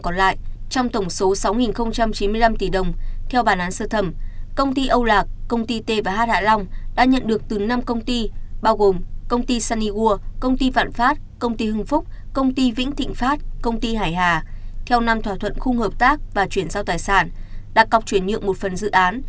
với khoản tiền hai chín trăm một mươi sáu tỷ đồng theo bản án sơ thẩm công ty âu lạc công ty t và h hạ long đã nhận được từ năm công ty bao gồm công ty sunnywood công ty vạn phát công ty hưng phúc công ty vĩnh thịnh phát công ty hải hà theo năm thỏa thuận khung hợp tác và chuyển giao tài sản đã cọc chuyển nhượng một phần dự án